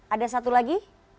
ada satu lagi